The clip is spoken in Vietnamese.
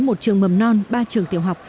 một trường mầm non ba trường tiểu học